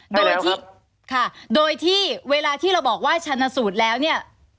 ใช่แล้วครับค่ะโดยที่เวลาที่เราบอกว่าชันสูตรแล้วเนี้ย